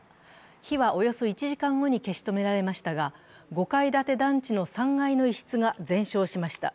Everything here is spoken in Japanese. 火はおよそ１時間後に消し止められましたが５階建て団地の３階の一室が全勝しました。